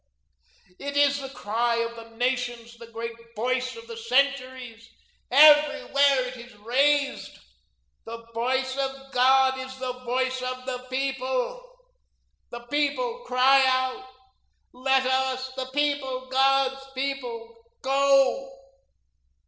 It is the cry of the nations, the great voice of the centuries; everywhere it is raised. The voice of God is the voice of the People. The people cry out 'Let us, the People, God's people, go.'